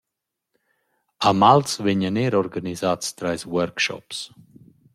A Mals vegnan eir organisats trais workshops.